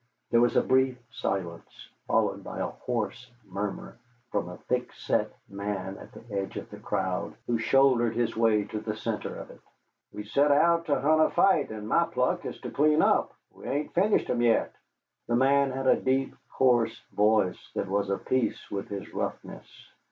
There was a brief silence, followed by a hoarse murmur from a thick set man at the edge of the crowd, who shouldered his way to the centre of it. "We set out to hunt a fight, and my pluck is to clean up. We ain't finished 'em yet." The man had a deep, coarse voice that was a piece with his roughness.